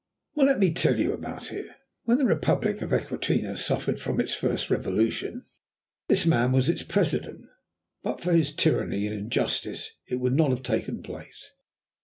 "Well, let me tell you about it. When the Republic of Equinata suffered from its first Revolution, this man was its President. But for his tyranny and injustice it would not have taken place.